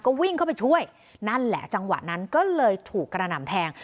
ก็วิ่งเข้าไปช่วยนั่นแหละจังหวะนั้นก็เลยถูกกระหน่ำแทง